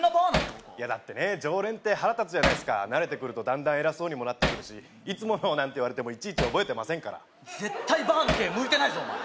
ここいやだってね常連って腹立つじゃないですか慣れてくるとだんだん偉そうにもなってくるし「いつもの」なんて言われてもいちいち覚えてませんから絶対バーの経営向いてないぞお前